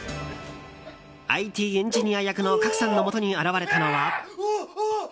ＩＴエンジニア役の賀来さんのもとに現れたのは。